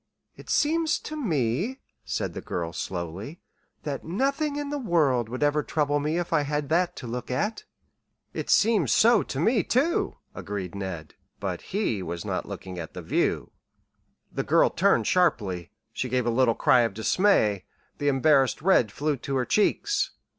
"It seems to me," said the girl, slowly, "that nothing in the world would ever trouble me if I had that to look at." "It seems so to me, too," agreed Ned but he was not looking at the view. The girl turned sharply. She gave a little cry of dismay. The embarrassed red flew to her cheeks.